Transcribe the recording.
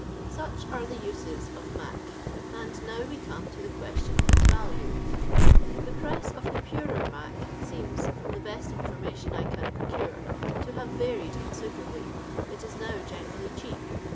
Such are the uses of "mac," and we now come to the question of its value. The price of the purer " mac " seems, from the best information I can procure, to have varied con siderably. It is now generally cheap.